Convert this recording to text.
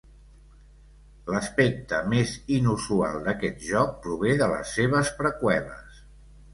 L"aspecte més inusual d"aquest joc prové de les seves preqüeles.